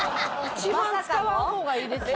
一番使わん方がいいですよ。